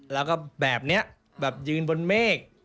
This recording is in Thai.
แล้วก็แบบนี้แบบยืนบนเมฆ